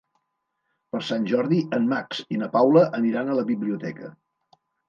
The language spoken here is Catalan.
Per Sant Jordi en Max i na Paula aniran a la biblioteca.